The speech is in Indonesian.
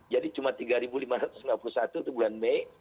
jadi cuma tiga lima ratus lima puluh satu itu bulan mei